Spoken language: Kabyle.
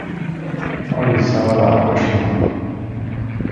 Ur yessawaḍ ɣer wacemma.